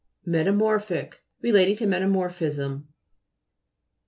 METAMO'RPHIC Relating to meta morphism.